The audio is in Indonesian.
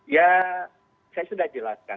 ya saya sudah jelaskan